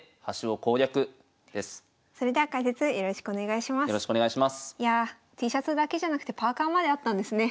いやあＴシャツだけじゃなくてパーカーまであったんですね。